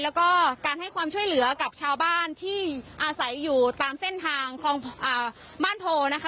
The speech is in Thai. แล้วก็การให้ความช่วยเหลือกับชาวบ้านที่อาศัยอยู่ตามเส้นทางคลองบ้านโพนะคะ